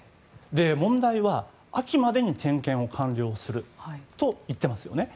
問題は秋までに点検を完了すると言っていますよね。